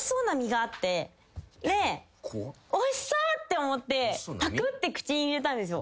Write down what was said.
おいしそうと思ってぱくって口に入れたんですよ。